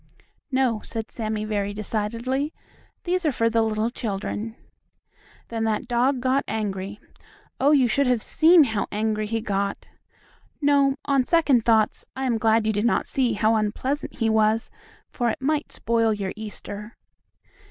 "No," said Sammie, very decidedly, "these are for the little children." Then that dog got angry. Oh, you should have seen how angry he got. No, on second thoughts I am glad you did not see how unpleasant he was, for it might spoil your Easter.